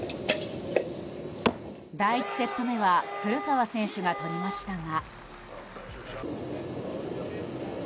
第１セット目は古川選手がとりましたが。